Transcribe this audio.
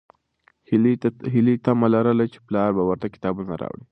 هیلې تمه لرله چې پلار به ورته کتابونه راوړي.